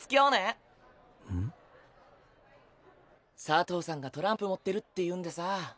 佐藤さんがトランプ持ってるって言うんでさ。